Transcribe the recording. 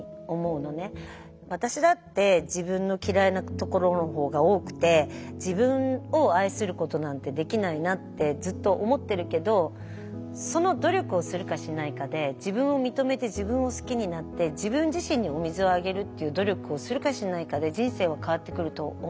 私だって自分の嫌いなところのほうが多くて自分を愛することなんてできないなってずっと思ってるけどその努力をするかしないかで自分を認めて自分を好きになって自分自身にお水をあげるっていう努力をするかしないかで人生は変わってくると思うの。